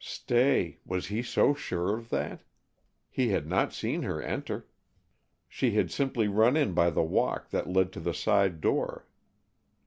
Stay, was he so sure of that? He had not seen her enter. She had simply run in by the walk that led to the side door.